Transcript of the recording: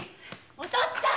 お父っつぁん！